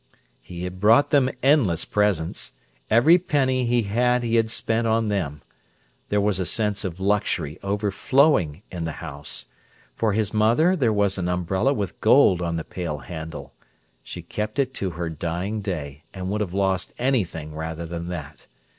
He had brought them endless presents. Every penny he had he had spent on them. There was a sense of luxury overflowing in the house. For his mother there was an umbrella with gold on the pale handle. She kept it to her dying day, and would have lost anything rather than that.